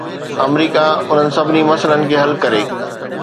آمريڪا انهن سڀني مسئلن کي حل ڪري